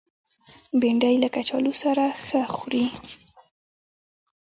بېنډۍ له کچالو سره ښه خوري